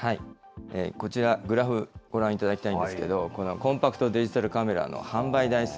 こちら、グラフ、ご覧いただきたいんですけど、このコンパクトデジタルカメラの販売台数。